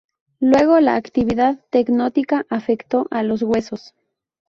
Luego la actividad tectónica afecto a los huesos.